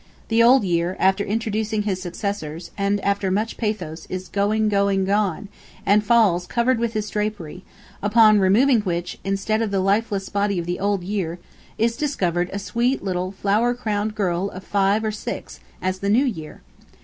The Old Year, after introducing his successors, and after much pathos, is "going, going—gone," and falls covered with his drapery, upon removing which, instead of the lifeless body of the Old Year, is discovered a sweet little flower crowned girl of five or six, as the New Year.